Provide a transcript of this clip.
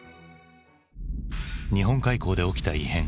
日本海溝で起きた異変。